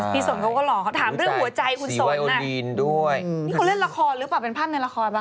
สนเขาก็หล่อเขาถามเรื่องหัวใจคุณสนอ่ะนี่เขาเล่นละครหรือเปล่าเป็นภาพในละครป่